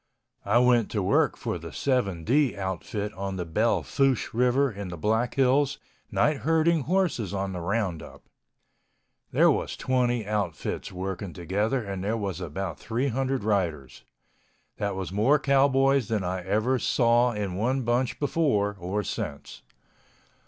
I went to work for the "7D" outfit on the Belle Fouche River in the Black Hills night herding horses on the roundup. There was twenty outfits working together and there was about 300 riders—that was more cowboys than I ever saw hi one bunch before, or since.